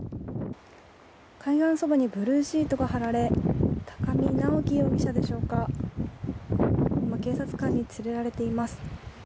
海岸そばにブルーシートが張られ高見直輝容疑者でしょうか今、警察官に連れられています。